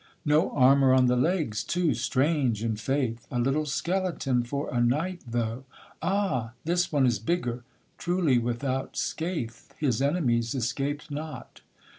No armour on the legs too; strange in faith! A little skeleton for a knight, though: ah! This one is bigger, truly without scathe His enemies escaped not!